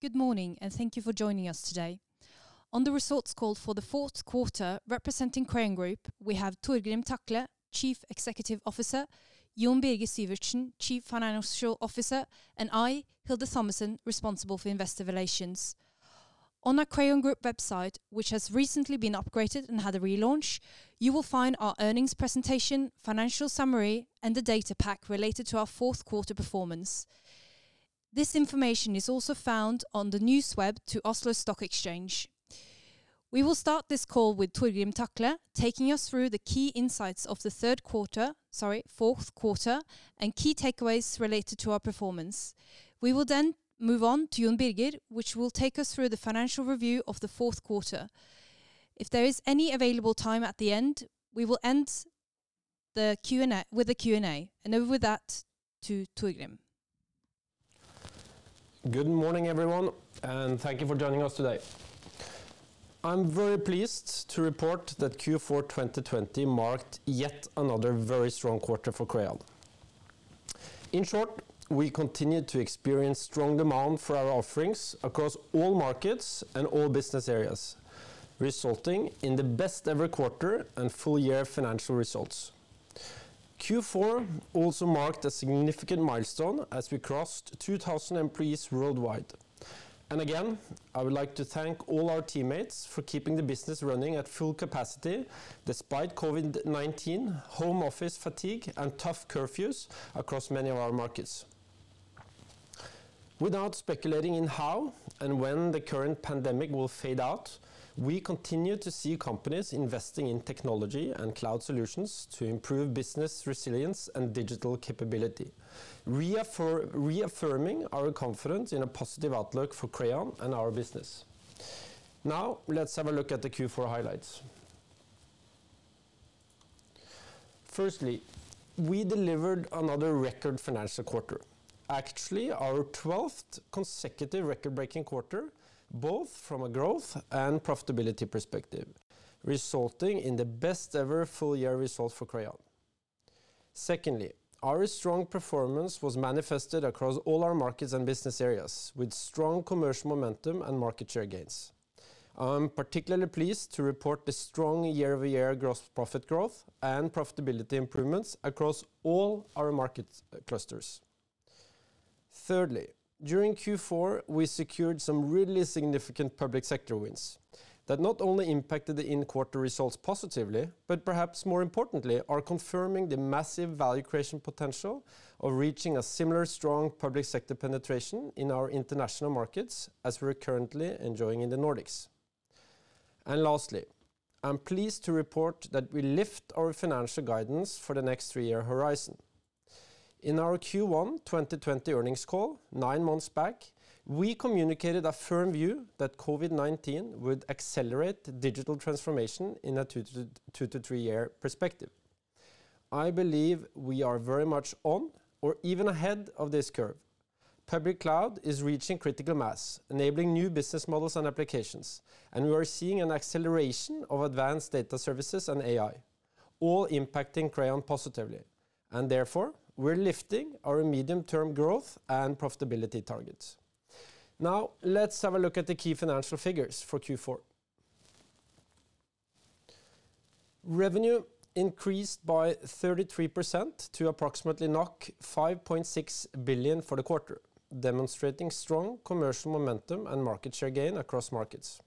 Good morning, thank you for joining us today. On the results call for the fourth quarter, representing Crayon Group, we have Torgrim Takle, Chief Executive Officer, Jon Birger Syvertsen, Chief Financial Officer, and I, Hilde Thomassen, responsible for investor relations. On our Crayon Group website, which has recently been upgraded and had a relaunch, you will find our earnings presentation, financial summary, and the data pack related to our fourth quarter performance. This information is also found on the NewsWeb to Oslo Stock Exchange. We will start this call with Torgrim Takle taking us through the key insights of the fourth quarter and key takeaways related to our performance. We will then move on to Jon Birger, which will take us through the financial review of the fourth quarter. If there is any available time at the end, we will end with a Q&A. Over that to Torgrim. Good morning, everyone, and thank you for joining us today. I'm very pleased to report that Q4 2020 marked yet another very strong quarter for Crayon. In short, we continued to experience strong demand for our offerings across all markets and all business areas, resulting in the best-ever quarter and full-year financial results. Q4 also marked a significant milestone as we crossed 2,000 employees worldwide. Again, I would like to thank all our teammates for keeping the business running at full capacity despite COVID-19, home office fatigue, and tough curfews across many of our markets. Without speculating on how and when the current pandemic will fade out, we continue to see companies investing in technology and cloud solutions to improve business resilience and digital capability, reaffirming our confidence in a positive outlook for Crayon and our business. Let's have a look at the Q4 highlights. Firstly, we delivered another record financial quarter, actually our 12th consecutive record-breaking quarter, both from a growth and profitability perspective, resulting in the best-ever full-year result for Crayon. Secondly, our strong performance was manifested across all our markets and business areas with strong commercial momentum and market share gains. I'm particularly pleased to report the strong year-over-year gross profit growth and profitability improvements across all our market clusters. Thirdly, during Q4, we secured some really significant public sector wins that not only impacted the in-quarter results positively but perhaps more importantly, are confirming the massive value creation potential of reaching a similar strong public sector penetration in our international markets as we're currently enjoying in the Nordics. Lastly, I'm pleased to report that we lift our financial guidance for the next three-year horizon. In our Q1 2020 earnings call nine months back, we communicated a firm view that COVID-19 would accelerate digital transformation in a two-to-three year perspective. I believe we are very much on or even ahead of this curve. Public cloud is reaching critical mass, enabling new business models and applications. We are seeing an acceleration of advanced data services and AI, all impacting Crayon positively. Therefore, we're lifting our medium-term growth and profitability targets. Let's have a look at the key financial figures for Q4. Revenue increased by 33% to approximately 5.6 billion for the quarter, demonstrating strong commercial momentum and market share gain across markets.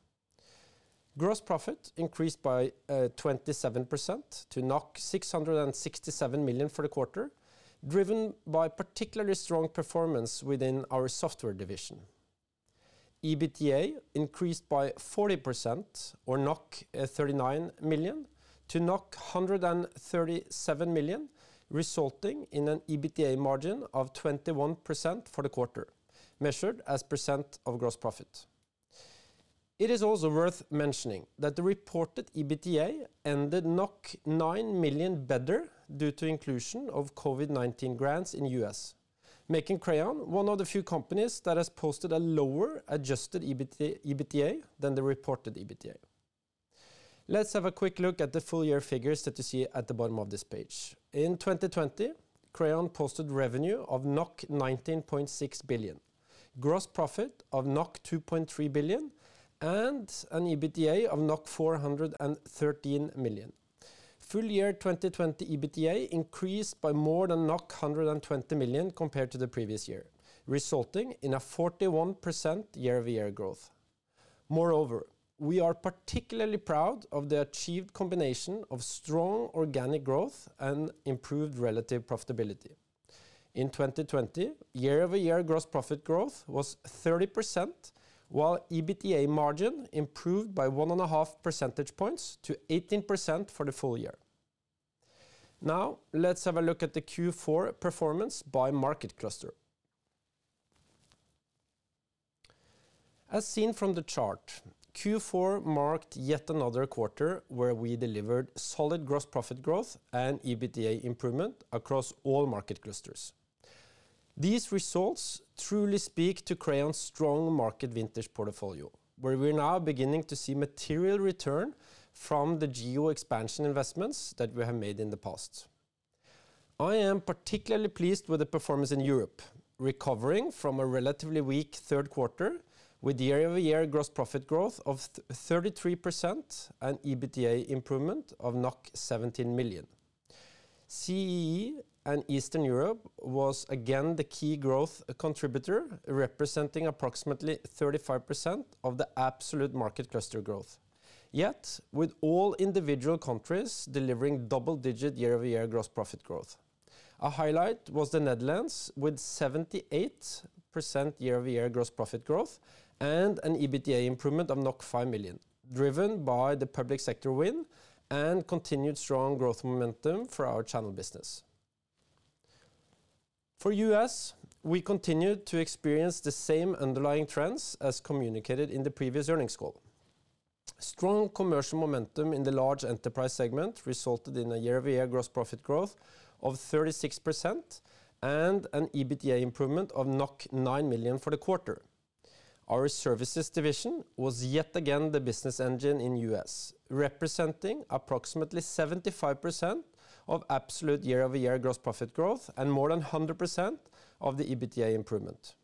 Gross profit increased by 27% to 667 million for the quarter, driven by particularly strong performance within our software division. EBITDA increased by 40%, or 39 million to 137 million, resulting in an EBITDA margin of 21% for the quarter, measured as percent of gross profit. It is also worth mentioning that the reported EBITDA ended 9 million better due to inclusion of COVID-19 grants in U.S., making Crayon one of the few companies that has posted a lower adjusted EBITDA than the reported EBITDA. Let's have a quick look at the full-year figures that you see at the bottom of this page. In 2020, Crayon posted revenue of 19.6 billion, gross profit of 2.3 billion, and an EBITDA of 413 million. Full-year 2020 EBITDA increased by more than 120 million compared to the previous year, resulting in a 41% year-over-year growth. Moreover, we are particularly proud of the achieved combination of strong organic growth and improved relative profitability. In 2020, year-over-year gross profit growth was 30%, while EBITDA margin improved by 1.5 percentage points to 18% for the full year. Let's have a look at the Q4 performance by market cluster. As seen from the chart, Q4 marked yet another quarter where we delivered solid gross profit growth and EBITDA improvement across all market clusters. These results truly speak to Crayon's strong market vintage portfolio, where we're now beginning to see material return from the geo-expansion investments that we have made in the past. I am particularly pleased with the performance in Europe, recovering from a relatively weak third quarter with year-over-year gross profit growth of 33% and EBITDA improvement of 17 million. CEE and Eastern Europe was again the key growth contributor, representing approximately 35% of the absolute market cluster growth, with all individual countries delivering double-digit year-over-year gross profit growth. A highlight was the Netherlands, with 78% year-over-year gross profit growth and an EBITDA improvement of 5 million, driven by the public sector win and continued strong growth momentum for our channel business. For U.S., we continued to experience the same underlying trends as communicated in the previous earnings call. Strong commercial momentum in the large enterprise segment resulted in a year-over-year gross profit growth of 36% and an EBITDA improvement of 9 million for the quarter. Our services division was yet again the business engine in U.S., representing approximately 75% of absolute year-over-year gross profit growth and more than 100% of the EBITDA improvement.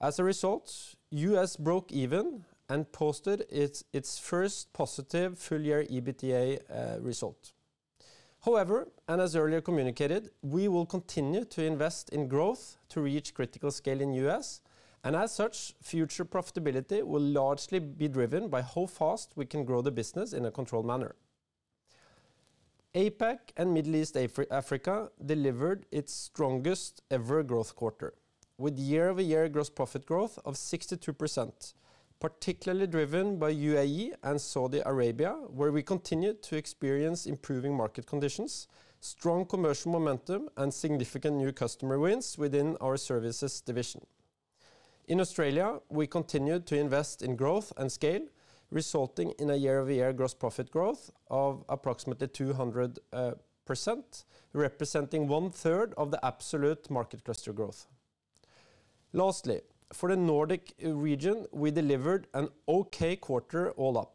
As a result, U.S. broke even and posted its first positive full-year EBITDA result. As earlier communicated, we will continue to invest in growth to reach critical scale in U.S., and as such, future profitability will largely be driven by how fast we can grow the business in a controlled manner. APAC and Middle East and Africa delivered its strongest ever growth quarter, with year-over-year gross profit growth of 62%, particularly driven by U.A.E. and Saudi Arabia, where we continued to experience improving market conditions, strong commercial momentum, and significant new customer wins within our services division. In Australia, we continued to invest in growth and scale, resulting in a year-over-year gross profit growth of approximately 200%, representing 1/3 of the absolute market cluster growth. For the Nordic region, we delivered an okay quarter all up.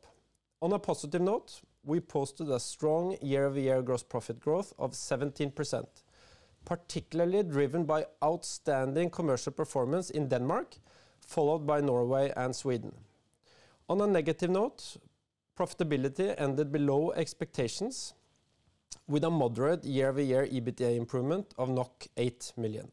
On a positive note, we posted a strong year-over-year gross profit growth of 17%, particularly driven by outstanding commercial performance in Denmark, followed by Norway and Sweden. On a negative note, profitability ended below expectations with a moderate year-over-year EBITDA improvement of 8 million.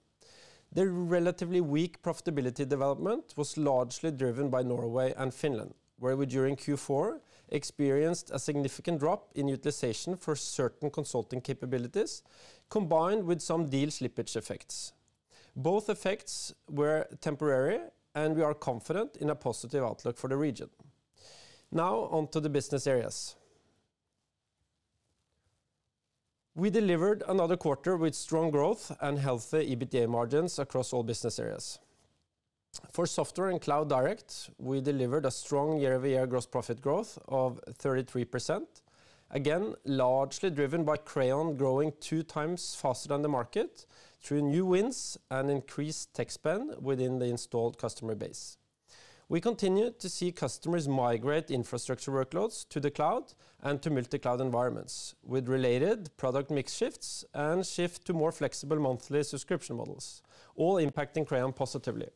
The relatively weak profitability development was largely driven by Norway and Finland, where we, during Q4, experienced a significant drop in utilization for certain consulting capabilities, combined with some deal slippage effects. Both effects were temporary. We are confident in a positive outlook for the region. Now on to the business areas. We delivered another quarter with strong growth and healthy EBITDA margins across all business areas. For Software & Cloud Direct, we delivered a strong year-over-year gross profit growth of 33%, again, largely driven by Crayon growing two times faster than the market through new wins and increased tech spend within the installed customer base. We continued to see customers migrate infrastructure workloads to the cloud and to multi-cloud environments with related product mix shifts and shift to more flexible monthly subscription models, all impacting Crayon positively.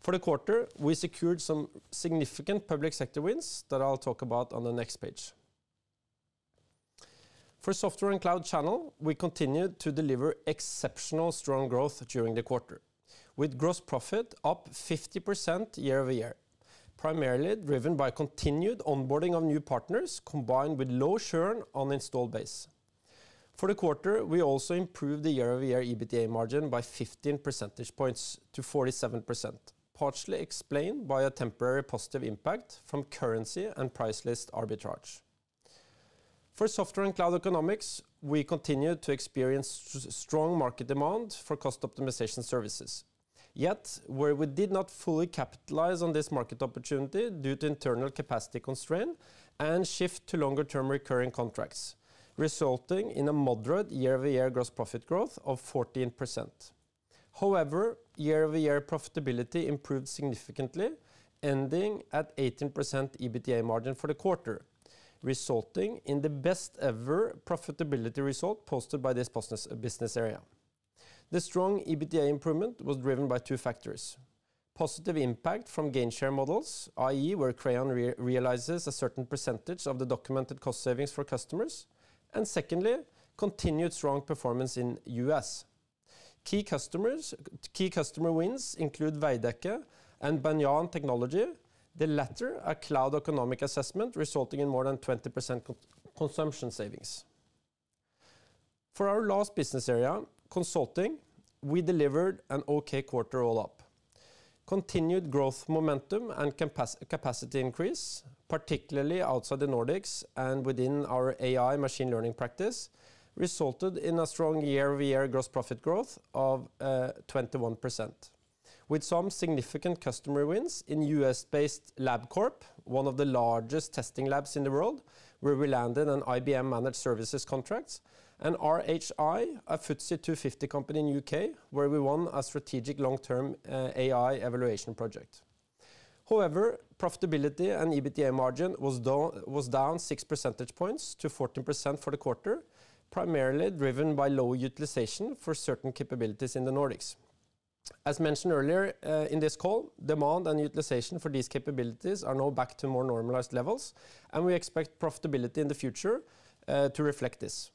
For the quarter, we secured some significant public sector wins that I'll talk about on the next page. For Software & Cloud Channel, we continued to deliver exceptional strong growth during the quarter, with gross profit up 50% year-over-year, primarily driven by continued onboarding of new partners, combined with low churn on installed base. For the quarter, we also improved the year-over-year EBITDA margin by 15 percentage points to 47%, partially explained by a temporary positive impact from currency and price list arbitrage. For Software & Cloud Economics, we continued to experience strong market demand for cost optimization services. Yet, where we did not fully capitalize on this market opportunity due to internal capacity constraint and shift to longer-term recurring contracts, resulting in a moderate year-over-year gross profit growth of 14%. However, year-over-year profitability improved significantly, ending at 18% EBITDA margin for the quarter, resulting in the best-ever profitability result posted by this business area. This strong EBITDA improvement was driven by two factors, positive impact from gainshare models, i.e., where Crayon realizes a certain percentage of the documented cost savings for customers. Secondly, continued strong performance in U.S. Key customer wins include Veidekke and Banyan Technology, the latter a cloud economic assessment resulting in more than 20% consumption savings. For our last business area, consulting, we delivered an okay quarter all up. Continued growth momentum and capacity increase, particularly outside the Nordics and within our AI machine learning practice, resulted in a strong year-over-year gross profit growth of 21%, with some significant customer wins in U.S.-based Labcorp, one of the largest testing labs in the world, where we landed an IBM managed services contract, and RHI, a FTSE 250 company in U.K., where we won a strategic long-term AI evaluation project. Profitability and EBITDA margin was down 6% points to 14% for the quarter, primarily driven by low utilization for certain capabilities in the Nordics. As mentioned earlier in this call, demand and utilization for these capabilities are now back to more normalized levels, and we expect profitability in the future to reflect this.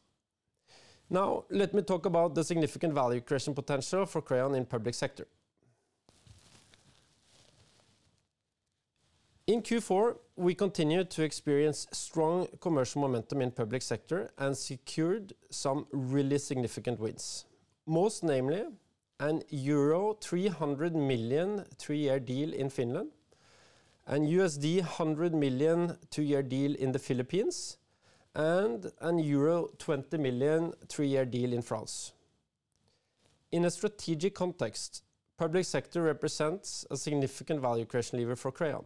Now, let me talk about the significant value creation potential for Crayon in public sector. In Q4, we continued to experience strong commercial momentum in public sector and secured some really significant wins. Most namely, a euro 300 million, 3-year deal in Finland, a $100 million, 2-year deal in the Philippines, and a 20 million, 3-year deal in France. In a strategic context, public sector represents a significant value creation lever for Crayon,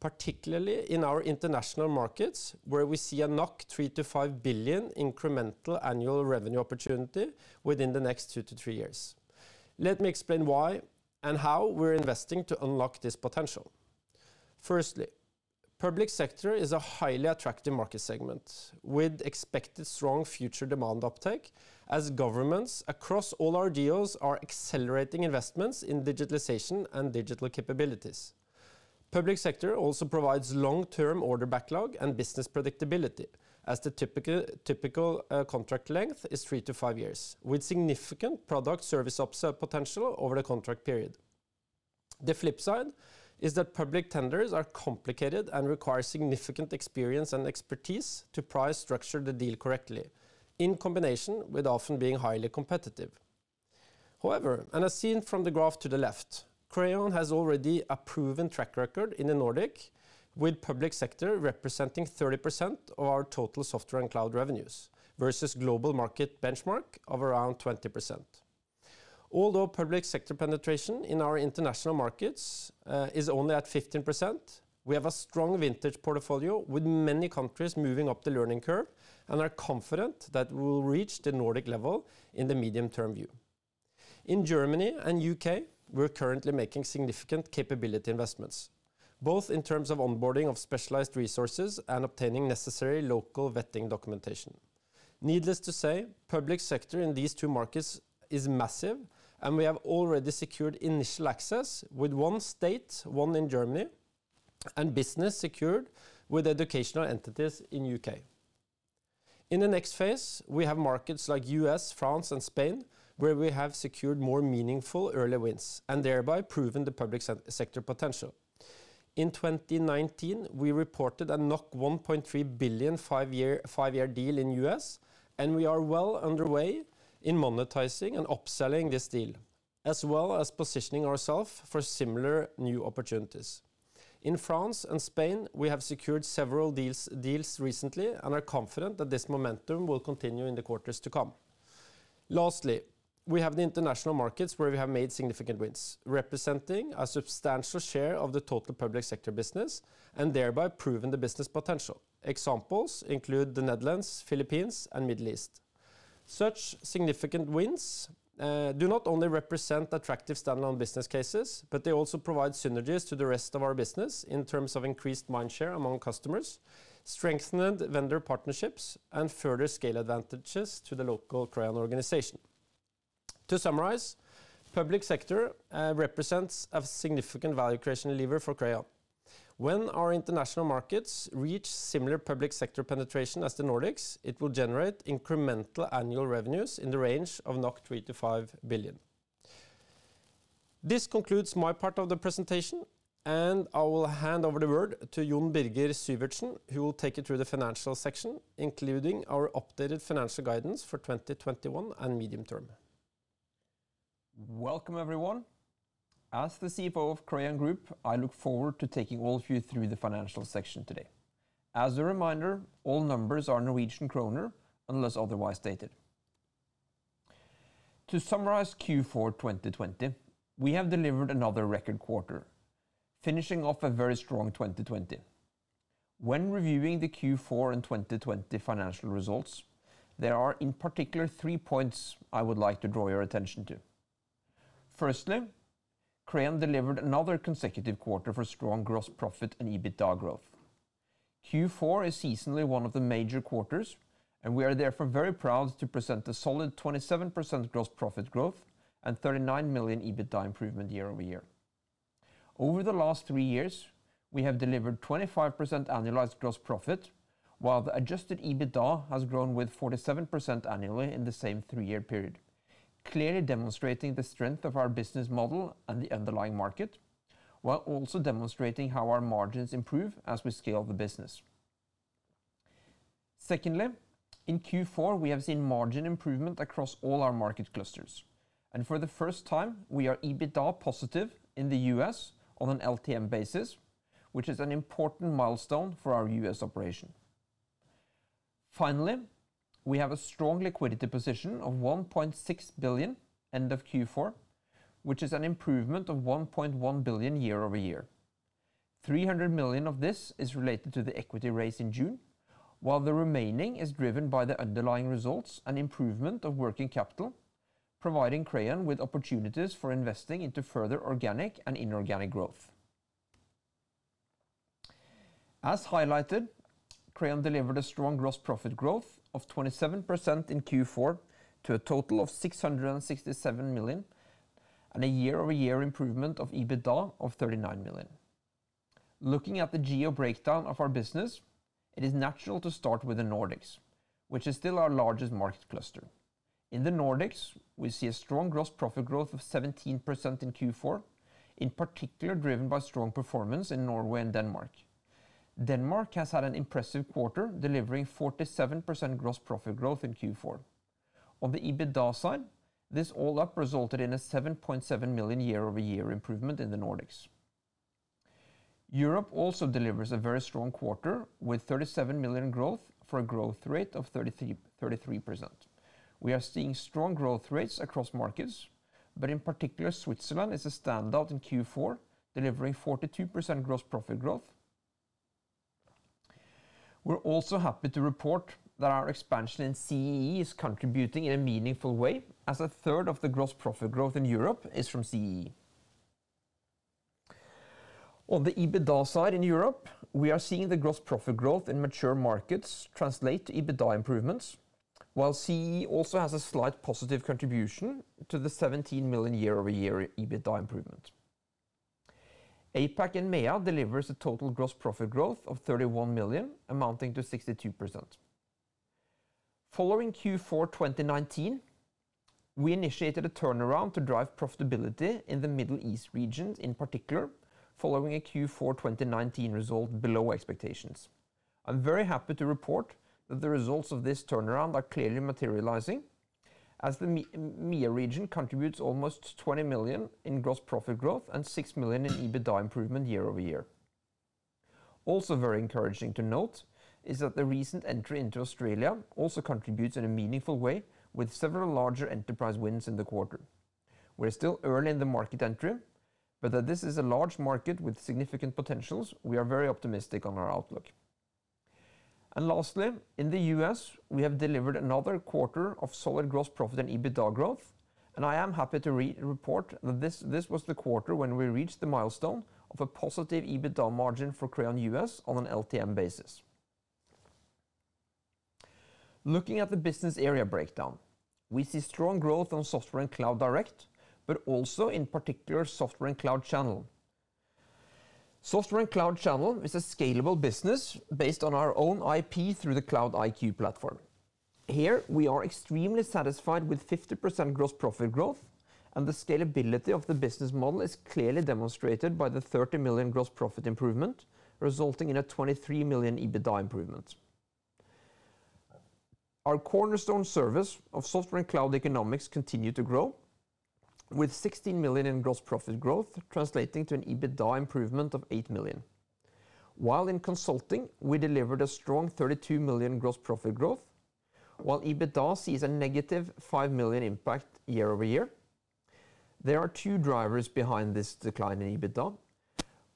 particularly in our international markets, where we see a 3 billion-5 billion incremental annual revenue opportunity within the next two to three years. Let me explain why and how we're investing to unlock this potential. Firstly, public sector is a highly attractive market segment with expected strong future demand uptake as governments across all our geos are accelerating investments in digitalization and digital capabilities. Public sector also provides long-term order backlog and business predictability as the typical contract length is 3-5 years, with significant product service upsell potential over the contract period. The flip side is that public tenders are complicated and require significant experience and expertise to price structure the deal correctly, in combination with often being highly competitive. However, as seen from the graph to the left, Crayon has already a proven track record in the Nordic, with public sector representing 30% of our total software and cloud revenues versus global market benchmark of around 20%. Although public sector penetration in our international markets is only at 15%, we have a strong market vintage portfolio with many countries moving up the learning curve and are confident that we'll reach the Nordic level in the medium-term view. In Germany and U.K., we're currently making significant capability investments, both in terms of onboarding of specialized resources and obtaining necessary local vetting documentation. Needless to say, public sector in these two markets is massive, and we have already secured initial access with 1 state, 1 in Germany, and business secured with educational entities in U.K. In the next phase, we have markets like U.S., France, and Spain, where we have secured more meaningful early wins and thereby proven the public sector potential. In 2019, we reported a 1.3 billion, five-year deal in U.S., and we are well underway in monetizing and upselling this deal, as well as positioning ourself for similar new opportunities. In France and Spain, we have secured several deals recently and are confident that this momentum will continue in the quarters to come. Lastly, we have the international markets where we have made significant wins, representing a substantial share of the total public sector business and thereby proven the business potential. Examples include the Netherlands, Philippines, and Middle East. Such significant wins do not only represent attractive standalone business cases, but they also provide synergies to the rest of our business in terms of increased mindshare among customers, strengthened vendor partnerships, and further scale advantages to the local Crayon organization. To summarize, public sector represents a significant value creation lever for Crayon. When our international markets reach similar public sector penetration as the Nordics, it will generate incremental annual revenues in the range of 3 billion to 5 billion. This concludes my part of the presentation. I will hand over the word to Jon Birger Syvertsen, who will take you through the financial section, including our updated financial guidance for 2021 and medium-term. Welcome, everyone. As the CFO of Crayon Group, I look forward to taking all of you through the financial section today. As a reminder, all numbers are Norwegian kroner, unless otherwise stated. To summarize Q4 2020, we have delivered another record quarter, finishing off a very strong 2020. When reviewing the Q4 and 2020 financial results, there are in particular three points I would like to draw your attention to. Firstly, Crayon delivered another consecutive quarter for strong gross profit and EBITDA growth. Q4 is seasonally one of the major quarters, and we are therefore very proud to present a solid 27% gross profit growth and 39 million EBITDA improvement year-over-year. Over the last three years, we have delivered 25% annualized gross profit, while the adjusted EBITDA has grown with 47% annually in the same three-year period, clearly demonstrating the strength of our business model and the underlying market, while also demonstrating how our margins improve as we scale the business. Secondly, in Q4, we have seen margin improvement across all our market clusters, and for the first time, we are EBITDA positive in the U.S. on an LTM basis, which is an important milestone for our U.S. operation. Finally, we have a strong liquidity position of 1.6 billion end of Q4, which is an improvement of 1.1 billion year-over-year. 300 million of this is related to the equity raise in June. While the remaining is driven by the underlying results and improvement of working capital, providing Crayon with opportunities for investing into further organic and inorganic growth. As highlighted, Crayon delivered a strong gross profit growth of 27% in Q4 to a total of 667 million, and a year-over-year improvement of EBITDA of 39 million. Looking at the geo breakdown of our business, it is natural to start with the Nordics, which is still our largest market cluster. In the Nordics, we see a strong gross profit growth of 17% in Q4, in particular driven by strong performance in Norway and Denmark. Denmark has had an impressive quarter, delivering 47% gross profit growth in Q4. On the EBITDA side, this all up resulted in a 7.7 million year-over-year improvement in the Nordics. Europe also delivers a very strong quarter, with 37 million growth for a growth rate of 33%. We are seeing strong growth rates across markets, but in particular, Switzerland is a standout in Q4, delivering 42% gross profit growth. We're also happy to report that our expansion in CEE is contributing in a meaningful way as a third of the gross profit growth in Europe is from CEE. On the EBITDA side in Europe, we are seeing the gross profit growth in mature markets translate to EBITDA improvements, while CEE also has a slight positive contribution to the 17 million year-over-year EBITDA improvement. APAC and MEA delivers a total gross profit growth of 31 million, amounting to 62%. Following Q4 2019, we initiated a turnaround to drive profitability in the Middle East region, in particular following a Q4 2019 result below expectations. I'm very happy to report that the results of this turnaround are clearly materializing as the MEA region contributes almost 20 million in gross profit growth and 6 million in EBITDA improvement year-over-year. Also very encouraging to note is that the recent entry into Australia also contributes in a meaningful way with several larger enterprise wins in the quarter. That this is a large market with significant potentials, we are very optimistic on our outlook. Lastly, in the U.S., we have delivered another quarter of solid gross profit and EBITDA growth, and I am happy to report that this was the quarter when we reached the milestone of a positive EBITDA margin for Crayon U.S. on an LTM basis. Looking at the business area breakdown, we see strong growth on Software & Cloud Direct, also in particular Software & Cloud Channel. Software & Cloud Channel is a scalable business based on our own IP through the Cloud-iQ platform. Here, we are extremely satisfied with 50% gross profit growth and the scalability of the business model is clearly demonstrated by the 30 million gross profit improvement resulting in a 23 million EBITDA improvement. Our Cornerstone service of Software & Cloud Economics continue to grow with 16 million in gross profit growth, translating to an EBITDA improvement of 8 million. While in consulting, we delivered a strong 32 million gross profit growth, while EBITDA sees a negative 5 million impact year-over-year. There are two drivers behind this decline in EBITDA.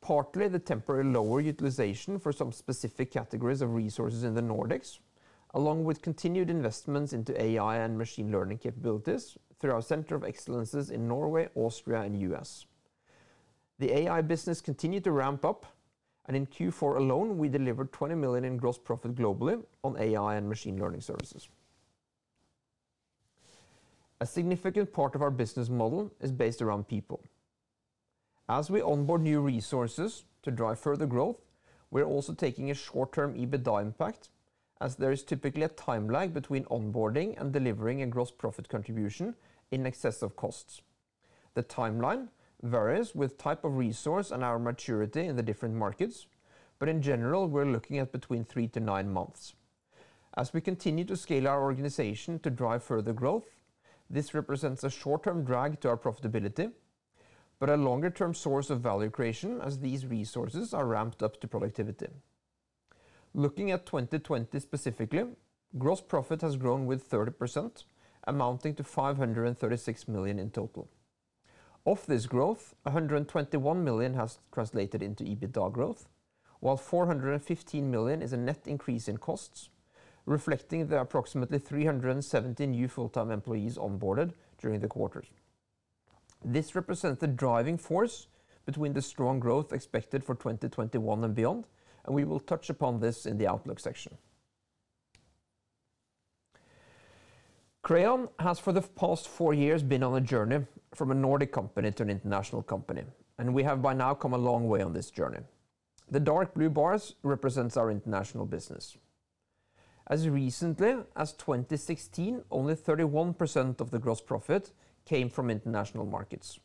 Partly, the temporary lower utilization for some specific categories of resources in the Nordics, along with continued investments into AI and machine learning capabilities through our center of excellences in Norway, Austria, and U.S. The AI business continued to ramp up, and in Q4 alone, we delivered 20 million in gross profit globally on AI and machine learning services. A significant part of our business model is based around people. As we onboard new resources to drive further growth, we are also taking a short-term EBITDA impact, as there is typically a time lag between onboarding and delivering a gross profit contribution in excess of costs. The timeline varies with type of resource and our maturity in the different markets, but in general, we're looking at between three to nine months. As we continue to scale our organization to drive further growth, this represents a short-term drag to our profitability, but a longer-term source of value creation as these resources are ramped up to productivity. Looking at 2020 specifically, gross profit has grown with 30%, amounting to 536 million in total. Of this growth, 121 million has translated into EBITDA growth, while 415 million is a net increase in costs, reflecting the approximately 370 new full-time employees onboarded during the quarters. This represents the driving force behind the strong growth expected for 2021 and beyond, and we will touch upon this in the outlook section. Crayon has, for the past four years, been on a journey from a Nordic company to an international company, and we have by now come a long way on this journey. The dark blue bars represents our international business. As recently as 2016, only 31% of the gross profit came from international markets.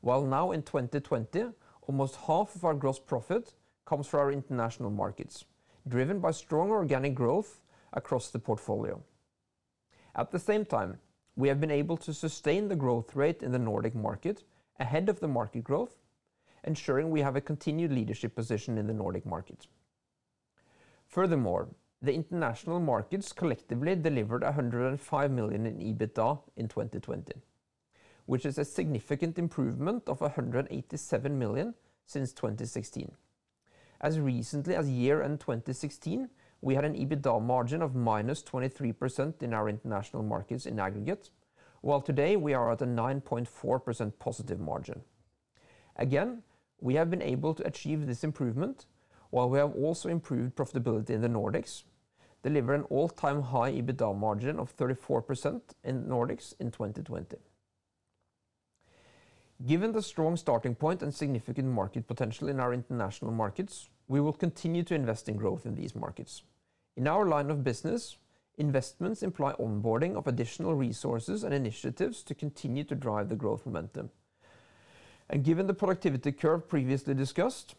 While now in 2020, almost half of our gross profit comes from our international markets, driven by strong organic growth across the portfolio. At the same time, we have been able to sustain the growth rate in the Nordic market ahead of the market growth, ensuring we have a continued leadership position in the Nordic market. Furthermore, the international markets collectively delivered 105 million in EBITDA in 2020, which is a significant improvement of 187 million since 2016. As recently as year-end 2016, we had an EBITDA margin of -23% in our international markets in aggregate, while today we are at a 9.4% positive margin. Again, we have been able to achieve this improvement while we have also improved profitability in the Nordics, deliver an all-time high EBITDA margin of 34% in Nordics in 2020. Given the strong starting point and significant market potential in our international markets, we will continue to invest in growth in these markets. In our line of business, investments imply onboarding of additional resources and initiatives to continue to drive the growth momentum. Given the productivity curve previously discussed,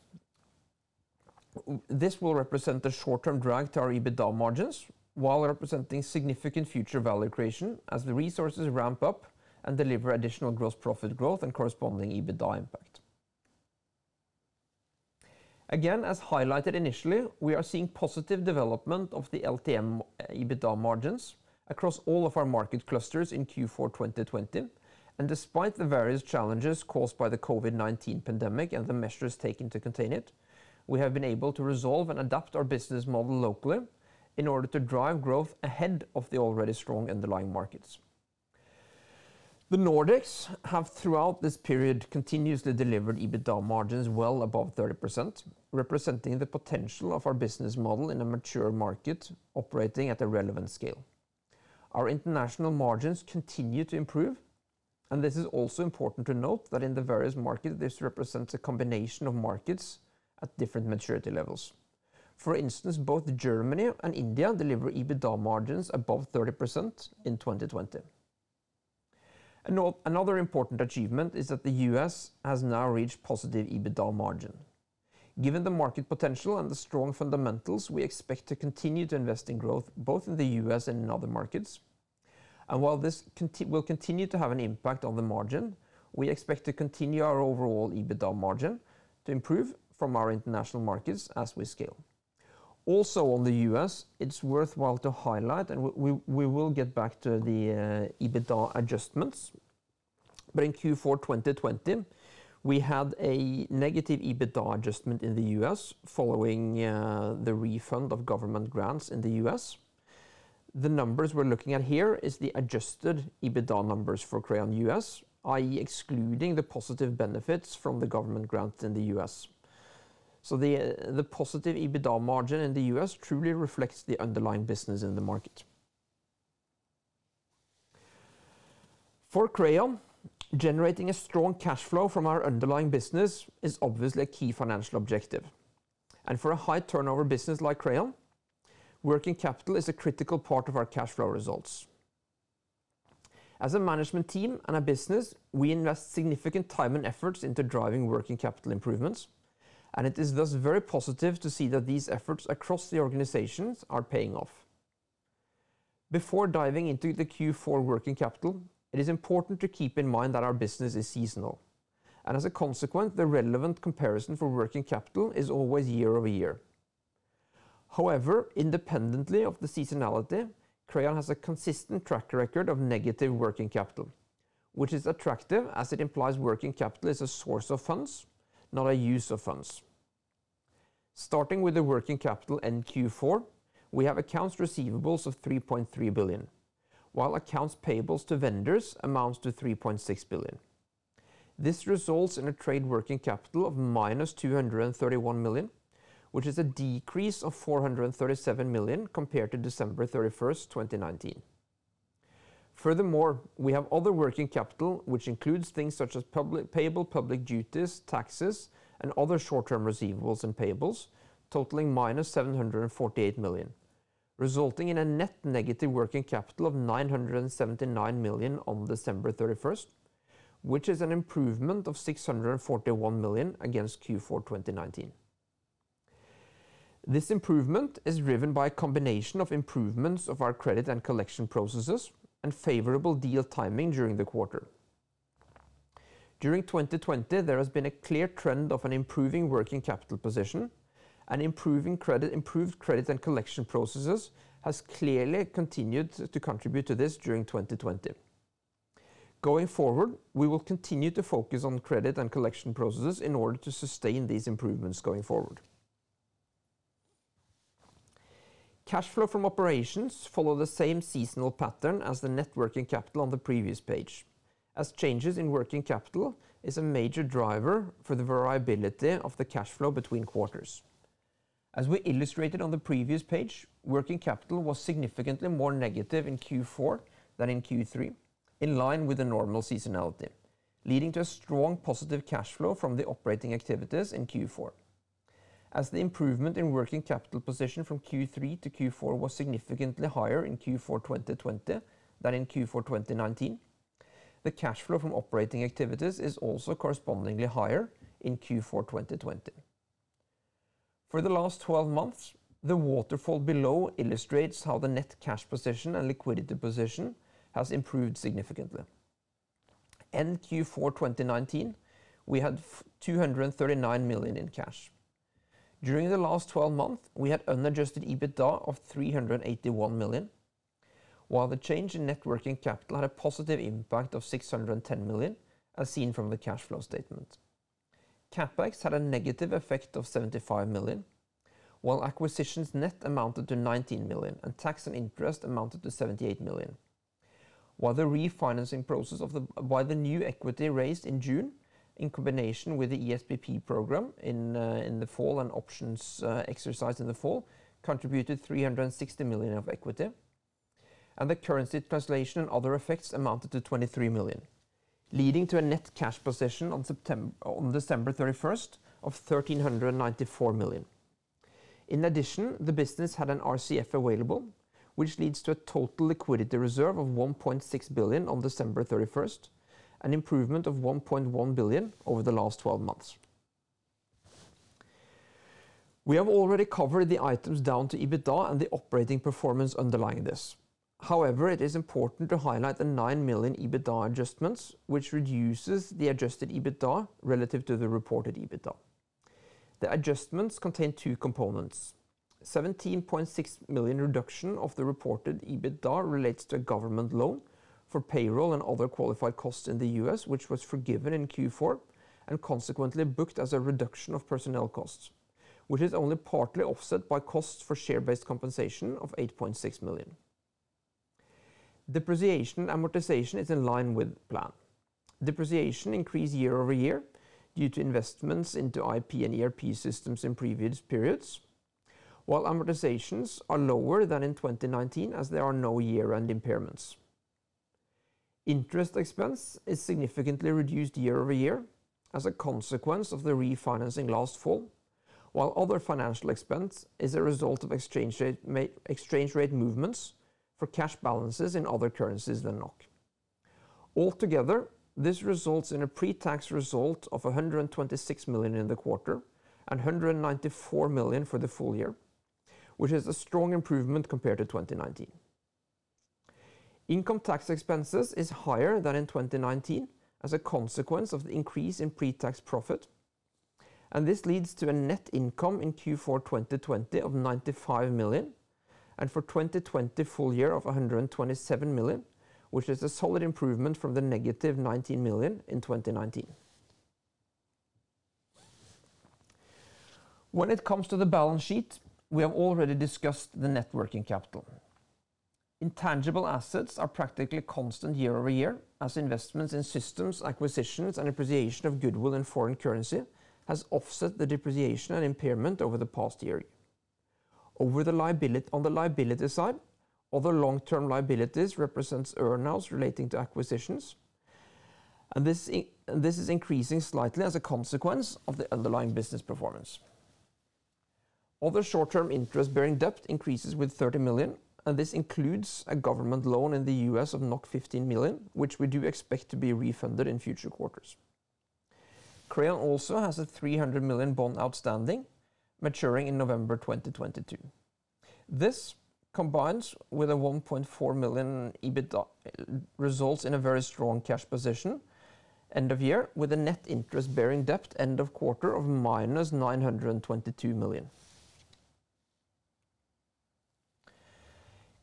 this will represent a short-term drag to our EBITDA margins while representing significant future value creation as the resources ramp up and deliver additional gross profit growth and corresponding EBITDA impact. Again, as highlighted initially, we are seeing positive development of the LTM EBITDA margins across all of our market clusters in Q4 2020. Despite the various challenges caused by the COVID-19 pandemic and the measures taken to contain it, we have been able to resolve and adapt our business model locally in order to drive growth ahead of the already strong underlying markets. The Nordics have, throughout this period, continuously delivered EBITDA margins well above 30%, representing the potential of our business model in a mature market operating at a relevant scale. Our international margins continue to improve. This is also important to note that in the various markets, this represents a combination of markets at different maturity levels. For instance, both Germany and India deliver EBITDA margins above 30% in 2020. Another important achievement is that the U.S. has now reached positive EBITDA margin. Given the market potential and the strong fundamentals, we expect to continue to invest in growth both in the U.S. and in other markets. While this will continue to have an impact on the margin, we expect to continue our overall EBITDA margin to improve from our international markets as we scale. On the U.S., it's worthwhile to highlight, and we will get back to the EBITDA adjustments, but in Q4 2020, we had a negative EBITDA adjustment in the U.S. following the refund of government grants in the U.S. The numbers we're looking at here is the adjusted EBITDA numbers for Crayon U.S., i.e., excluding the positive benefits from the government grants in the U.S. The positive EBITDA margin in the U.S. truly reflects the underlying business in the market. For Crayon, generating a strong cash flow from our underlying business is obviously a key financial objective. For a high-turnover business like Crayon, working capital is a critical part of our cash flow results. As a management team and a business, we invest significant time and efforts into driving working capital improvements, and it is thus very positive to see that these efforts across the organizations are paying off. Before diving into the Q4 working capital, it is important to keep in mind that our business is seasonal, and as a consequence, the relevant comparison for working capital is always year-over-year. However, independently of the seasonality, Crayon has a consistent track record of negative working capital, which is attractive as it implies working capital is a source of funds, not a use of funds. Starting with the working capital in Q4, we have accounts receivables of 3.3 billion, while accounts payables to vendors amounts to 3.6 billion. This results in a trade working capital of -231 million, which is a decrease of 437 million compared to December 31st, 2019. Furthermore, we have other working capital, which includes things such as payable public duties, taxes, and other short-term receivables and payables totaling -748 million, resulting in a net negative working capital of 979 million on December 31st, which is an improvement of 641 million against Q4 2019. This improvement is driven by a combination of improvements of our credit and collection processes and favorable deal timing during the quarter. During 2020, there has been a clear trend of an improving working capital position and improved credit and collection processes has clearly continued to contribute to this during 2020. Going forward, we will continue to focus on credit and collection processes in order to sustain these improvements going forward. Cash flow from operations follow the same seasonal pattern as the net working capital on the previous page, as changes in working capital is a major driver for the variability of the cash flow between quarters. As we illustrated on the previous page, working capital was significantly more negative in Q4 than in Q3, in line with the normal seasonality, leading to a strong positive cash flow from the operating activities in Q4. As the improvement in working capital position from Q3 to Q4 was significantly higher in Q4 2020 than in Q4 2019, the cash flow from operating activities is also correspondingly higher in Q4 2020. For the last 12 months, the waterfall below illustrates how the net cash position and liquidity position has improved significantly. In Q4 2019, we had 239 million in cash. During the last 12 months, we had unadjusted EBITDA of 381 million, while the change in net working capital had a positive impact of 610 million, as seen from the cash flow statement. CapEx had a negative effect of 75 million, while acquisitions net amounted to 19 million, and tax and interest amounted to 78 million. While the new equity raised in June in combination with the ESPP program in the fall and options exercised in the fall contributed 360 million of equity, and the currency translation and other effects amounted to 23 million, leading to a net cash position on December 31st of 1,394 million. In addition, the business had an RCF available, which leads to a total liquidity reserve of 1.6 billion on December 31st, an improvement of 1.1 billion over the last 12 months. We have already covered the items down to EBITDA and the operating performance underlying this. However, it is important to highlight the 9 million EBITDA adjustments, which reduces the adjusted EBITDA relative to the reported EBITDA. The adjustments contain two components. A 17.6 million reduction of the reported EBITDA relates to a government loan for payroll and other qualified costs in the U.S., which was forgiven in Q4, and consequently booked as a reduction of personnel costs, which is only partly offset by costs for share-based compensation of 8.6 million. Depreciation and amortization is in line with plan. Depreciation increased year-over-year due to investments into IP and ERP systems in previous periods, while amortizations are lower than in 2019 as there are no year-end impairments. Interest expense is significantly reduced year-over-year as a consequence of the refinancing last fall, while other financial expense is a result of exchange rate movements for cash balances in other currencies than NOK. Altogether, this results in a pre-tax result of 126 million in the quarter and 194 million for the full year, which is a strong improvement compared to 2019. Income tax expenses is higher than in 2019 as a consequence of the increase in pre-tax profit, and this leads to a net income in Q4 2020 of 95 million, and for 2020 full year of 127 million, which is a solid improvement from the negative 19 million in 2019. When it comes to the balance sheet, we have already discussed the net working capital. Intangible assets are practically constant year-over-year as investments in systems, acquisitions, and appreciation of goodwill in foreign currency has offset the depreciation and impairment over the past year. On the liability side, other long-term liabilities represents earnouts relating to acquisitions. This is increasing slightly as a consequence of the underlying business performance. Other short-term interest-bearing debt increases with 30 million, and this includes a government loan in the U.S. of 15 million, which we do expect to be refunded in future quarters. Crayon also has a 300 million bond outstanding, maturing in November 2022. This, combines with a 1.4 million EBITDA, results in a very strong cash position end of year, with a net interest-bearing debt end of quarter of -922 million.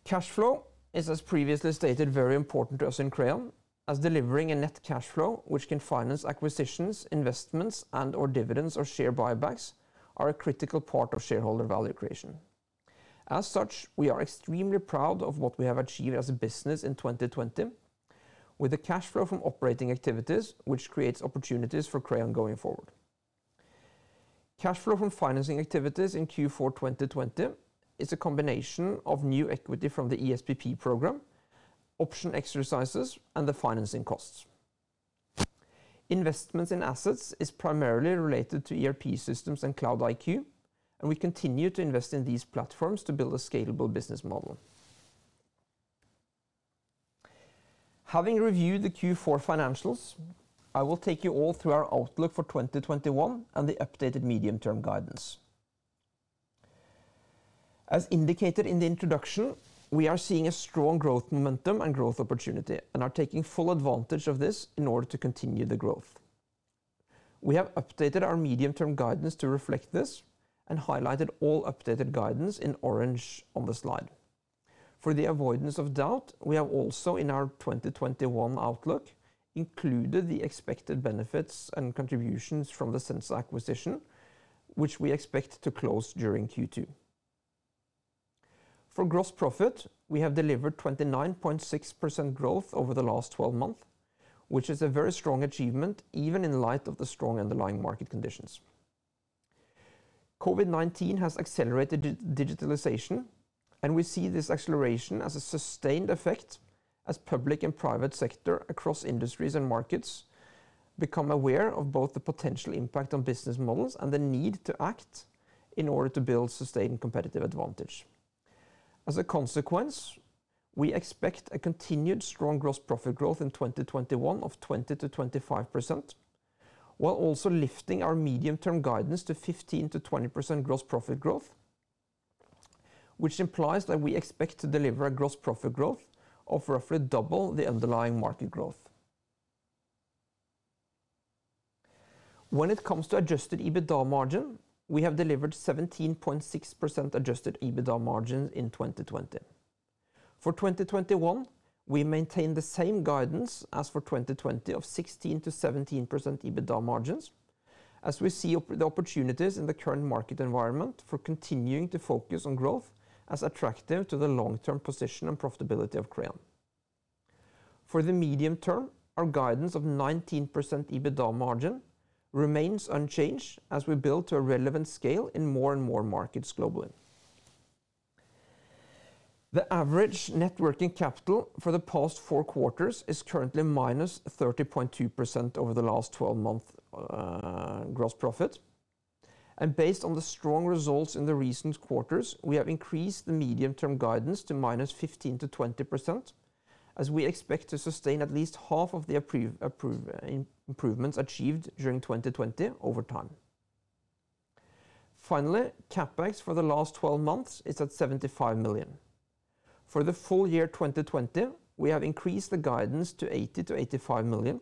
Cash flow is, as previously stated, very important to us in Crayon, as delivering a net cash flow which can finance acquisitions, investments, and/or dividends or share buybacks are a critical part of shareholder value creation. As such, we are extremely proud of what we have achieved as a business in 2020 with the cash flow from operating activities, which creates opportunities for Crayon going forward. Cash flow from financing activities in Q4 2020 is a combination of new equity from the ESPP program, option exercises, and the financing costs. Investments in assets is primarily related to ERP systems and Cloud-iQ, and we continue to invest in these platforms to build a scalable business model. Having reviewed the Q4 financials, I will take you all through our outlook for 2021 and the updated medium-term guidance. As indicated in the introduction, we are seeing a strong growth momentum and growth opportunity and are taking full advantage of this in order to continue the growth. We have updated our medium-term guidance to reflect this and highlighted all updated guidance in orange on the slide. For the avoidance of doubt, we have also, in our 2021 outlook, included the expected benefits and contributions from the Sensa acquisition, which we expect to close during Q2. For gross profit, we have delivered 29.6% growth over the last 12 months, which is a very strong achievement, even in light of the strong underlying market conditions. COVID-19 has accelerated digitalization, and we see this acceleration as a sustained effect as public and private sector across industries and markets become aware of both the potential impact on business models and the need to act in order to build sustained competitive advantage. As a consequence, we expect a continued strong gross profit growth in 2021 of 20%-25%, while also lifting our medium-term guidance to 15%-20% gross profit growth, which implies that we expect to deliver a gross profit growth of roughly double the underlying market growth. When it comes to adjusted EBITDA margin, we have delivered 17.6% adjusted EBITDA margin in 2020. For 2021, we maintain the same guidance as for 2020 of 16%-17% EBITDA margins, as we see the opportunities in the current market environment for continuing to focus on growth as attractive to the long-term position and profitability of Crayon. For the medium term, our guidance of 19% EBITDA margin remains unchanged as we build to a relevant scale in more and more markets globally. The average net working capital for the past four quarters is currently minus 30.2% over the last 12-month gross profit. Based on the strong results in the recent quarters, we have increased the medium-term guidance to -15% to -20%, as we expect to sustain at least half of the improvements achieved during 2020 over time. Finally, CapEx for the last 12 months is at 75 million. For the full year 2020, we have increased the guidance to 80 million-85 million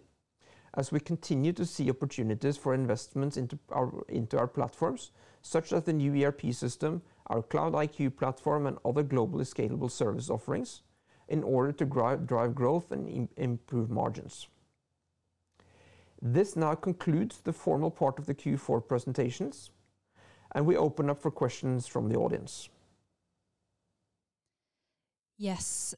as we continue to see opportunities for investments into our platforms, such as the new ERP system, our Cloud-iQ platform, and other globally scalable service offerings, in order to drive growth and improve margins. This now concludes the formal part of the Q4 presentations, and we open up for questions from the audience. Yes.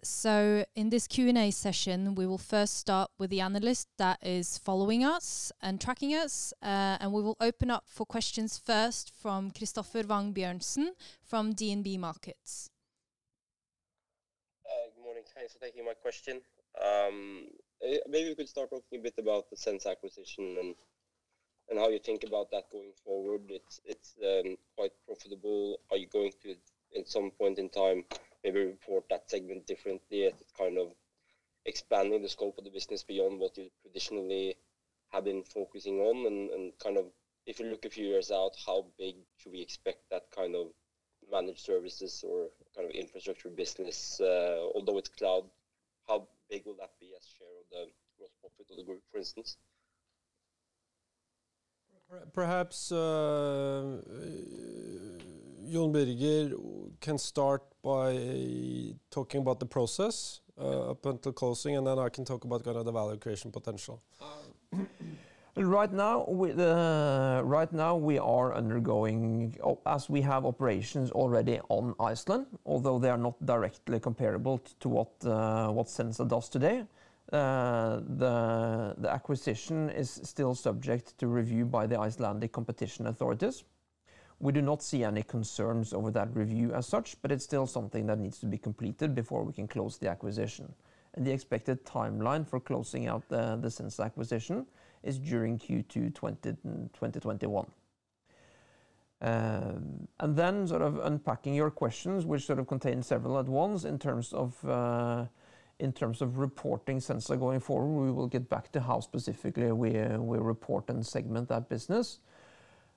In this Q&A session, we will first start with the analyst that is following us and tracking us, and we will open up for questions first from Christoffer Wang Bjørnsen from DNB Markets. Good morning. Thanks for taking my question. Maybe we could start talking a bit about the Sensa acquisition and how you think about that going forward. It's quite profitable. Are you going to, at some point in time, maybe report that segment differently as it's kind of expanding the scope of the business beyond what you traditionally have been focusing on? If you look a few years out, how big should we expect that kind of managed services or infrastructure business? Although it's cloud, how big will that be as share of the gross profit of the group, for instance? Perhaps Jon Birger can start by talking about the process up until closing, and then I can talk about the value creation potential. Right now, we are undergoing, as we have operations already on Iceland, although they are not directly comparable to what Sensa does today. The acquisition is still subject to review by the Icelandic Competition Authority. We do not see any concerns over that review as such, but it's still something that needs to be completed before we can close the acquisition, and the expected timeline for closing out the Sensa acquisition is during Q2 2021. Then sort of unpacking your questions, which sort of contain several at once in terms of reporting Sensa going forward, we will get back to how specifically we report and segment that business.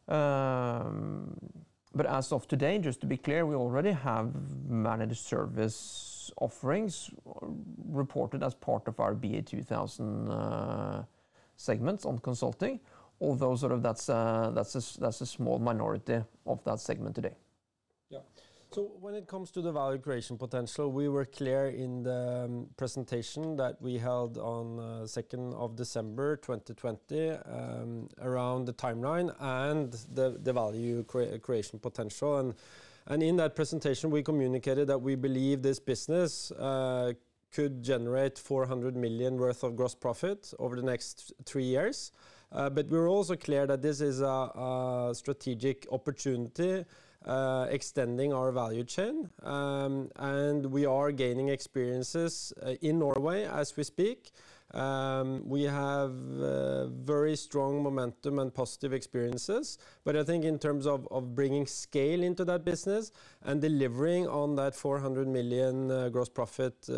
As of today, just to be clear, we already have managed service offerings reported as part of our BA2000 segments on consulting. Although that's a small minority of that segment today. Yeah. When it comes to the value creation potential, we were clear in the presentation that we held on second of December 2020, around the timeline and the value creation potential. In that presentation, we communicated that we believe this business could generate 400 million worth of gross profit over the next three years. We're also clear that this is a strategic opportunity extending our value chain, and we are gaining experiences in Norway as we speak. We have very strong momentum and positive experiences, but I think in terms of bringing scale into that business and delivering on that 400 million gross profit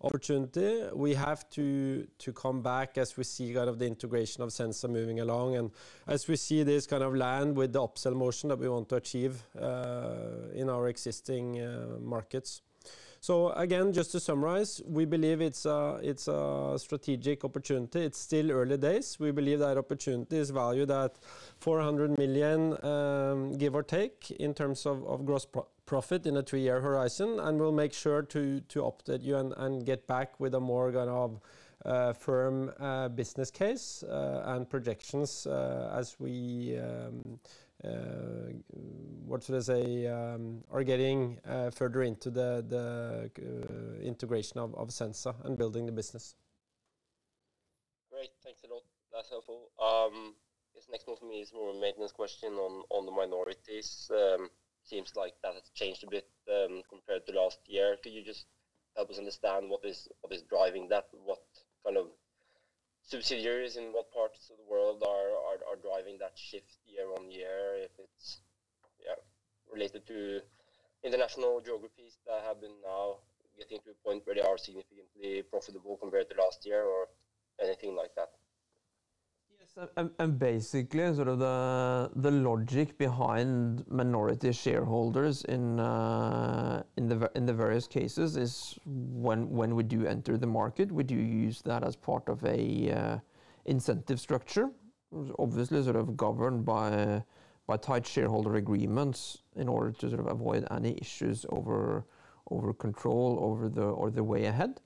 opportunity, we have to come back as we see the integration of Sensa moving along, and as we see this kind of land with the upsell motion that we want to achieve in our existing markets. Again, just to summarize, we believe it's a strategic opportunity. It's still early days. We believe that opportunity is valued at 400 million, give or take, in terms of gross profit in a three-year horizon, and we'll make sure to update you and get back with a more firm business case and projections as we, what should I say, are getting further into the integration of Sensa and building the business. Great. Thanks a lot. That is helpful. I guess next one for me is more of a maintenance question on the minorities. Seems like that has changed a bit compared to last year. Could you just help us understand what is driving that? What kind of subsidiaries in what parts of the world are driving that shift year-on-year? If it is related to international geographies that have been now getting to a point where they are significantly profitable compared to last year or anything like that? Yes. Basically, the logic behind minority shareholders in the various cases is when we do enter the market, we do use that as part of an incentive structure. Obviously, sort of governed by tight shareholder agreements in order to avoid any issues over control, over the way ahead.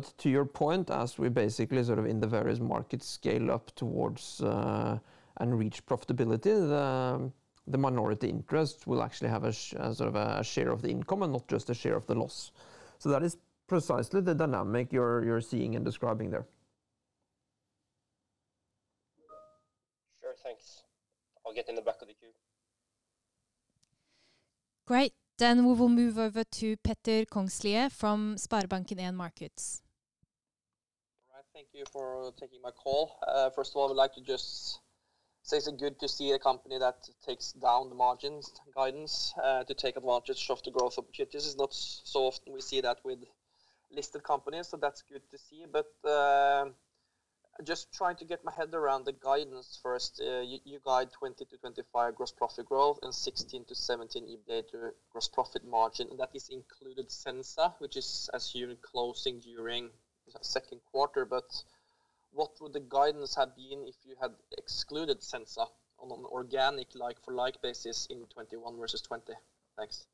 To your point, as we basically, in the various markets, scale up towards and reach profitability, the minority interest will actually have a share of the income and not just a share of the loss. That is precisely the dynamic you're seeing and describing there. Sure. Thanks. I'll get in the back of the queue. Great. We will move over to Petter Kongslie from SpareBank 1 Markets. All right. Thank you for taking my call. First of all, I would like to just say it's good to see a company that takes down the margins guidance, to take advantage of the growth opportunities. It is not so often we see that with listed companies, so that's good to see. Just trying to get my head around the guidance first. You guide 20%-25% gross profit growth and 16%-17% EBITDA to gross profit margin, and that is included Sensa, which is assumed closing during second quarter. What would the guidance have been if you had excluded Sensa on an organic like-for-like basis in 2021 versus 2020? Thanks.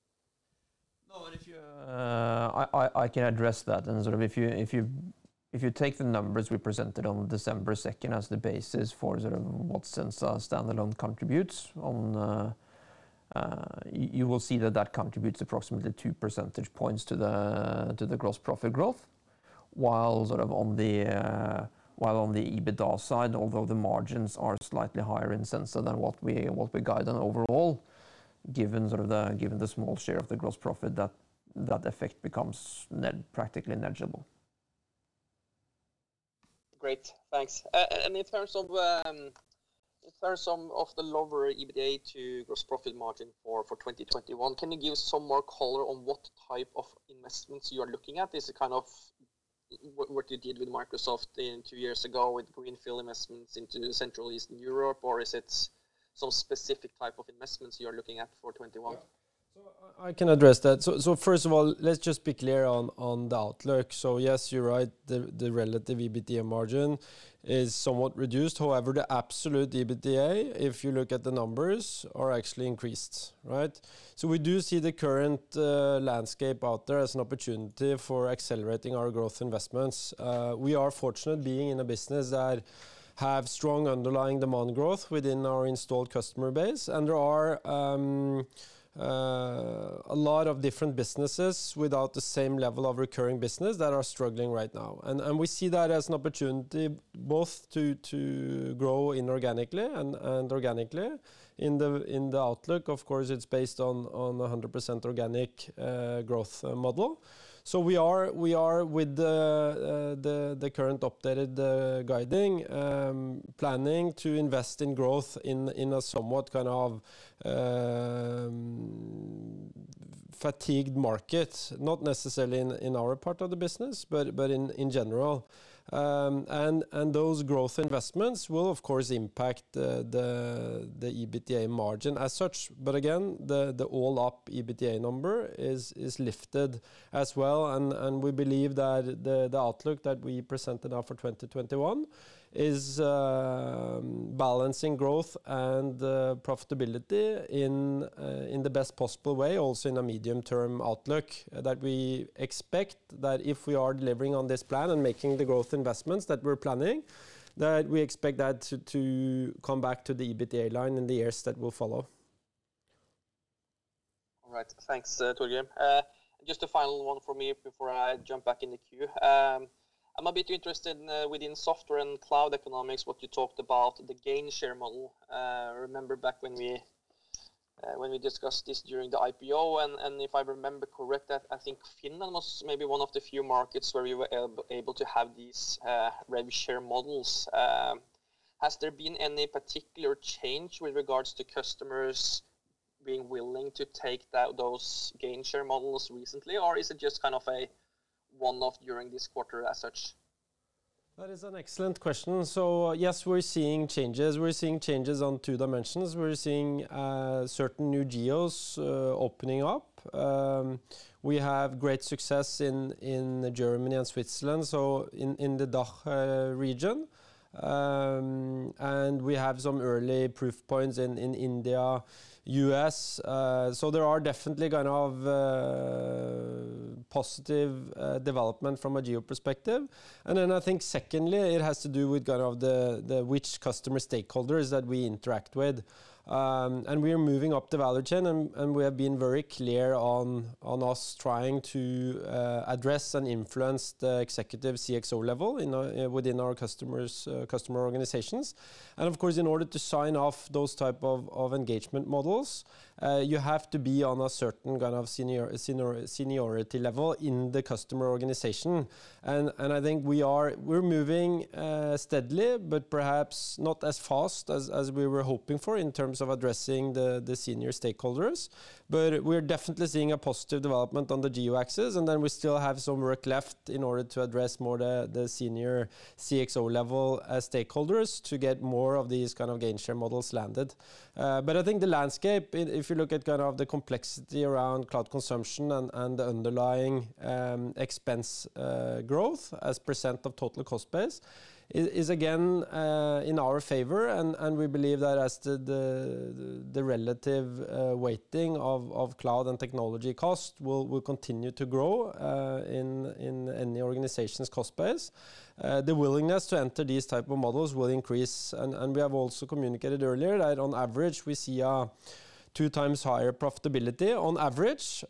No, I can address that. If you take the numbers we presented on December 2nd as the basis for what Sensa standalone contributes, you will see that that contributes approximately 2% points to the gross profit growth. While on the EBITDA side, although the margins are slightly higher in Sensa than what we guide on overall, given the small share of the gross profit, that effect becomes practically negligible. Great. Thanks. In terms of the lower EBITDA to gross profit margin for 2021, can you give some more color on what type of investments you are looking at? Is it kind of what you did with Microsoft two years ago with greenfield investments into Central Eastern Europe, or is it some specific type of investments you are looking at for 2021? I can address that. First of all, let's just be clear on the outlook. Yes, you're right, the relative EBITDA margin is somewhat reduced. However, the absolute EBITDA, if you look at the numbers, are actually increased. Right? We do see the current landscape out there as an opportunity for accelerating our growth investments. We are fortunate being in a business that have strong underlying demand growth within our installed customer base. There are a lot of different businesses without the same level of recurring business that are struggling right now. We see that as an opportunity both to grow inorganically and organically. In the outlook, of course, it's based on 100% organic growth model. We are, with the current updated guiding, planning to invest in growth in a somewhat kind of fatigued market, not necessarily in our part of the business, but in general. Those growth investments will, of course, impact the EBITDA margin as such. Again, the all-up EBITDA number is lifted as well, and we believe that the outlook that we presented now for 2021 is balancing growth and profitability in the best possible way, also in a medium-term outlook, that we expect that if we are delivering on this plan and making the growth investments that we're planning, that we expect that to come back to the EBITDA line in the years that will follow. All right. Thanks, Torgrim. Just a final one from me before I jump back in the queue. I'm a bit interested within Software & Cloud Economics, what you talked about, the gainshare model. I remember back when we discussed this during the IPO, if I remember correctly, I think Finland was maybe one of the few markets where you were able to have these revshare models. Has there been any particular change with regards to customers being willing to take those gainshare models recently, or is it just kind of a one-off during this quarter as such? That is an excellent question. Yes, we're seeing changes. We're seeing changes on two dimensions. We're seeing certain new geos opening up. We have great success in Germany and Switzerland, so in the DACH region. We have some early proof points in India, U.S. There are definitely positive development from a geo perspective. I think secondly, it has to do with the which customer stakeholders that we interact with. We are moving up the value chain, and we have been very clear on us trying to address and influence the executive CXO level within our customer organizations. Of course, in order to sign off those type of engagement models, you have to be on a certain kind of seniority level in the customer organization. I think we're moving steadily, but perhaps not as fast as we were hoping for in terms of addressing the senior stakeholders. We're definitely seeing a positive development on the geo axis, then we still have some work left in order to address more the senior CXO level stakeholders to get more of these kind of gainshare models landed. I think the landscape, if you look at the complexity around cloud consumption and the underlying expense growth as % of total cost base, is again in our favor. We believe that as the relative weighting of cloud and technology cost will continue to grow in the organization's cost base, the willingness to enter these type of models will increase. We have also communicated earlier that on average, we see a two times higher profitability on average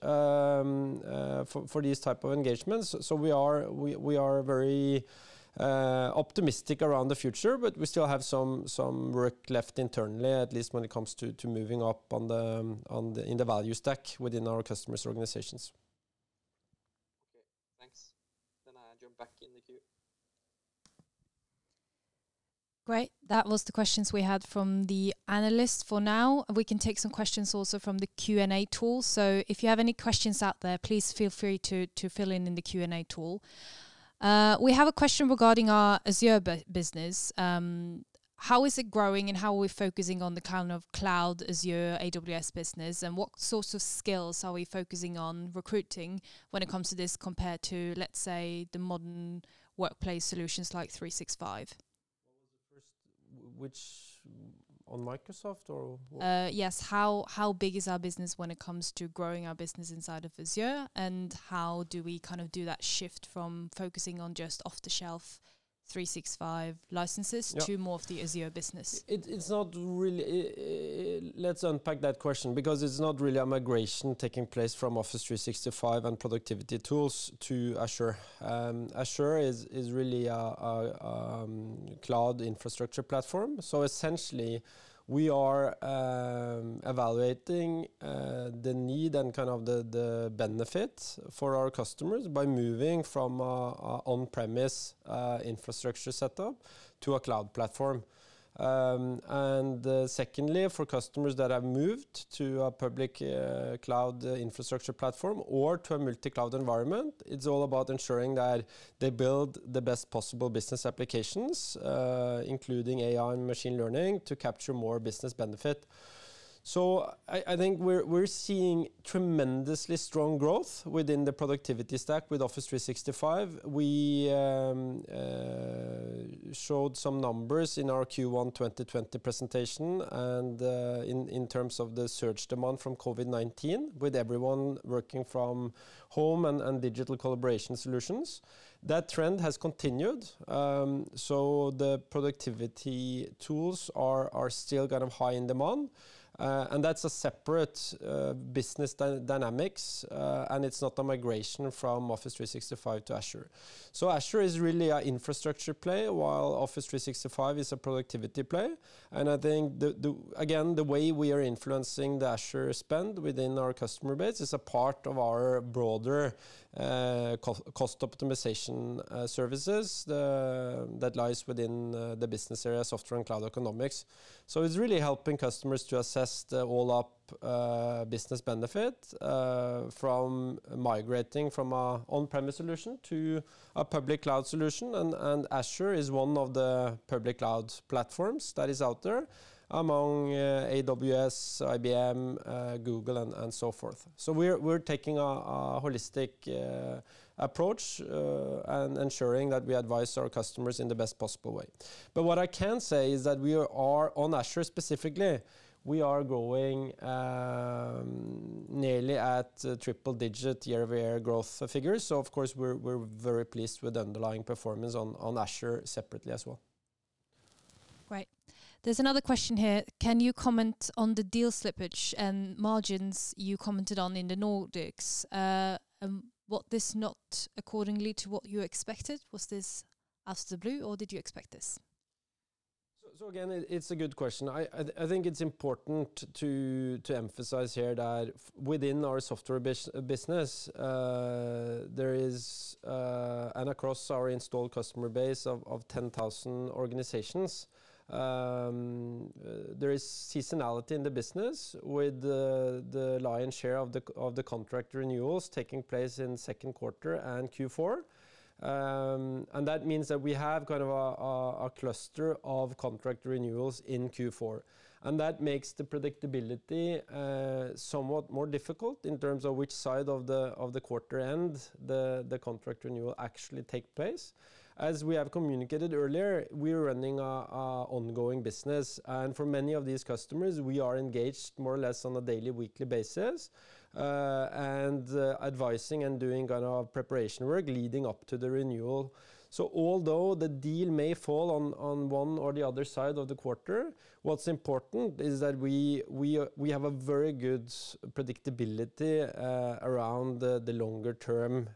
for these type of engagements. We are very optimistic around the future, but we still have some work left internally, at least when it comes to moving up in the value stack within our customers' organizations. Okay, thanks. I hand you back in the queue. Great. That was the questions we had from the analysts for now. We can take some questions also from the Q&A tool. If you have any questions out there, please feel free to fill in in the Q&A tool. We have a question regarding our Azure business. How is it growing and how are we focusing on the kind of cloud Azure AWS business, and what sorts of skills are we focusing on recruiting when it comes to this compared to, let's say, the modern workplace solutions like 365? What was the first? On Microsoft or what? Yes. How big is our business when it comes to growing our business inside of Azure, and how do we do that shift from focusing on just off-the-shelf 365 licenses? Yeah to more of the Azure business? Let's unpack that question because it's not really a migration taking place from Office 365 and productivity tools to Azure. Azure is really a cloud infrastructure platform. Essentially, we are evaluating the need and the benefit for our customers by moving from a on-premise infrastructure setup to a cloud platform. Secondly, for customers that have moved to a public cloud infrastructure platform or to a multi-cloud environment, it's all about ensuring that they build the best possible business applications, including AI and machine learning, to capture more business benefit. I think we're seeing tremendously strong growth within the productivity stack with Office 365. We showed some numbers in our Q1 2020 presentation, and in terms of the surge demand from COVID-19, with everyone working from home and digital collaboration solutions, that trend has continued. The productivity tools are still high in demand. That's a separate business dynamics, and it's not a migration from Office 365 to Azure. Azure is really a infrastructure play, while Office 365 is a productivity play. I think, again, the way we are influencing the Azure spend within our customer base is a part of our broader cost optimization services that lies within the business area, Software & Cloud Economics. It's really helping customers to assess the all-up business benefit from migrating from a on-premise solution to a public cloud solution, and Azure is one of the public cloud platforms that is out there among AWS, IBM, Google, and so forth. We're taking a holistic approach and ensuring that we advise our customers in the best possible way. What I can say is that we are on Azure specifically, we are growing nearly at triple digit year-over-year growth figures. Of course, we're very pleased with underlying performance on Azure separately as well. Right. There's another question here. Can you comment on the deal slippage and margins you commented on in the Nordics? Was this not according to what you expected? Was this out of the blue, or did you expect this? Again, it's a good question. I think it's important to emphasize here that within our software business and across our installed customer base of 10,000 organizations, there is seasonality in the business with the lion's share of the contract renewals taking place in second quarter and Q4. That means that we have a cluster of contract renewals in Q4, and that makes the predictability somewhat more difficult in terms of which side of the quarter end the contract renewal actually take place. As we have communicated earlier, we're running an ongoing business, and for many of these customers, we are engaged more or less on a daily, weekly basis, and advising and doing preparation work leading up to the renewal. Although the deal may fall on one or the other side of the quarter, what's important is that we have a very good predictability around the longer-term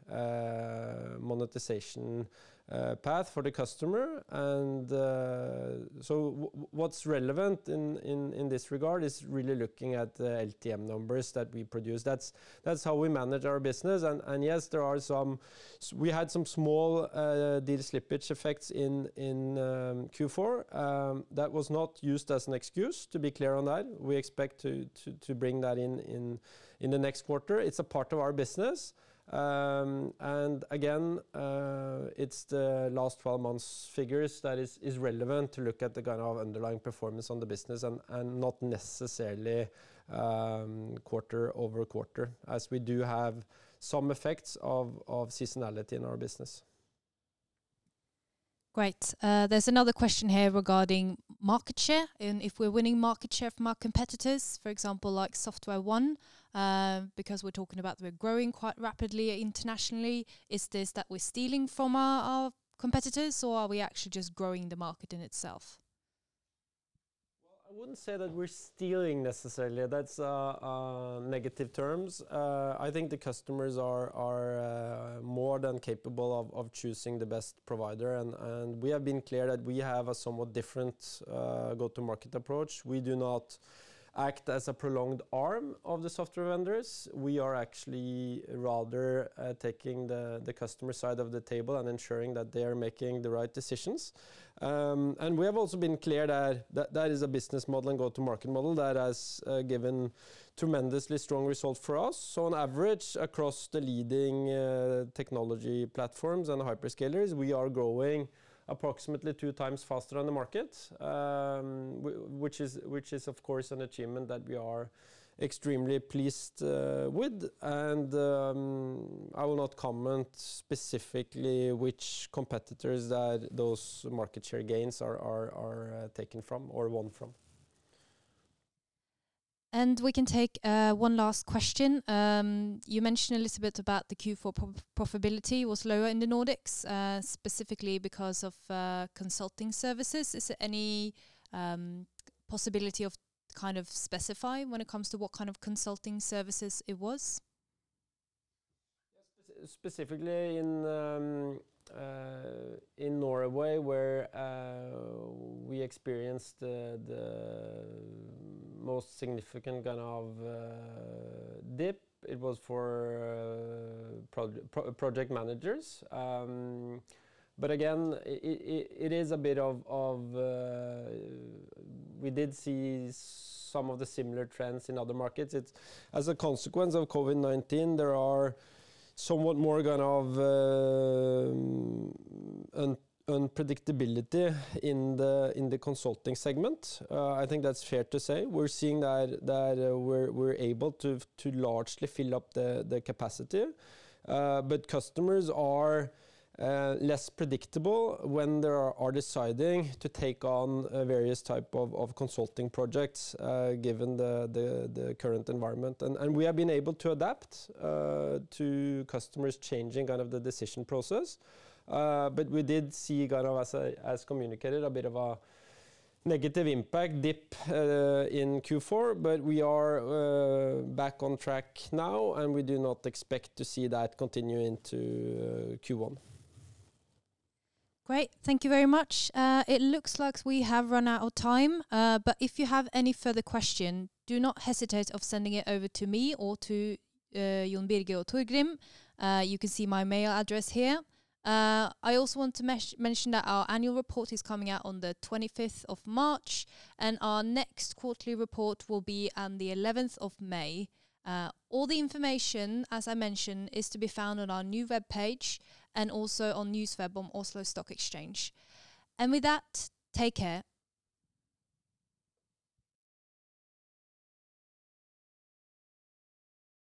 monetization path for the customer. What's relevant in this regard is really looking at the LTM numbers that we produce. That's how we manage our business. Yes, we had some small deal slippage effects in Q4. That was not used as an excuse, to be clear on that. We expect to bring that in the next quarter. It's a part of our business. Again, it's the last 12 months figures that is relevant to look at the kind of underlying performance on the business and not necessarily quarter-over-quarter, as we do have some effects of seasonality in our business. Great. There's another question here regarding market share and if we're winning market share from our competitors, for example, SoftwareOne, because we're talking about we're growing quite rapidly internationally. Is this that we're stealing from our competitors, or are we actually just growing the market in itself? Well, I wouldn't say that we're stealing necessarily. That's negative terms. I think the customers are more than capable of choosing the best provider, and we have been clear that we have a somewhat different go-to-market approach. We do not act as a prolonged arm of the software vendors. We are actually rather taking the customer side of the table and ensuring that they are making the right decisions. We have also been clear that that is a business model and go-to-market model that has given tremendously strong result for us. On average, across the leading technology platforms and hyperscalers, we are growing approximately two times faster than the market, which is of course an achievement that we are extremely pleased with. I will not comment specifically which competitors that those market share gains are taken from or won from. We can take one last question. You mentioned a little bit about the Q4 profitability was lower in the Nordics, specifically because of consulting services. Is there any possibility of specifying when it comes to what kind of consulting services it was? Yes, specifically in Norway, where we experienced the most significant kind of dip. It was for project managers. Again, we did see some of the similar trends in other markets. As a consequence of COVID-19, there are somewhat more kind of unpredictability in the consulting segment. I think that's fair to say. We're seeing that we're able to largely fill up the capacity, but customers are less predictable when they are deciding to take on various type of consulting projects given the current environment. We have been able to adapt to customers changing the decision process. We did see, as communicated, a bit of a negative impact dip in Q4, but we are back on track now, and we do not expect to see that continue into Q1. Great. Thank you very much. It looks like we have run out of time. If you have any further question, do not hesitate of sending it over to me or to Jon Birger or Torgrim. You can see my mail address here. I also want to mention that our annual report is coming out on the 25th of March, and our next quarterly report will be on the 11th of May. All the information, as I mentioned, is to be found on our new webpage and also on NewsWeb on Oslo Stock Exchange. With that, take care.